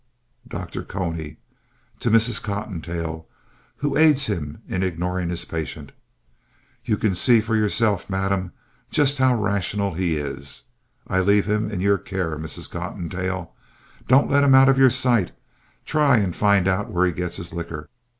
DR. CONY (to Mrs. Cottontail, who aids him in ignoring the patient) You can see for yourself, madame, just how rational he is. I leave him in your care, Mrs. Cottontail. Don't let him out of your sight. Try and find out where he gets his liquor.